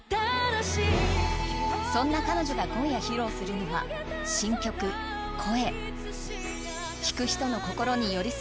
そんな彼女が今夜披露するのは新曲「声」。